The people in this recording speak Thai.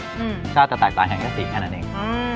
รสชาติแตกตายแห่งบทแต่สีแค่นั่นเอง